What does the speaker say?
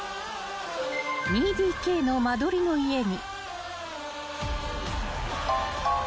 ［２ＤＫの間取りの家に］